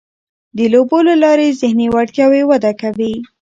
د لوبو له لارې ذهني وړتیاوې وده کوي.